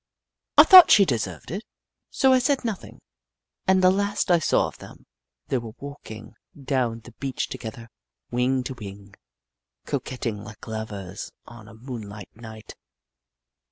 I thought she deserved it, so I said nothing, and the last I saw of them, they were walking down the beach together, wing to wing, co quetting like lovers on a moonlight night.